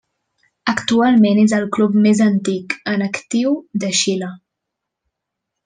Actualment és el club més antic, en actiu, de Xile.